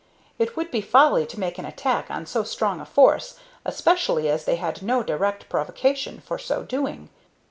It would be folly to make an attack on so strong a force, especially as they had no direct provocation for so doing.